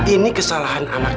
ini bukan kesalahan kamu